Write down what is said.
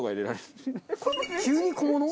急に小物？